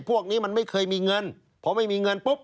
พวกนี้มันไม่เคยมีเงินพอไม่มีเงินปุ๊บ